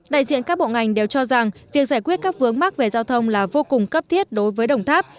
đại diện các bộ ngành đều cho rằng việc giải quyết các vướng mắc về giao thông là vô cùng cấp thiết đối với đồng tháp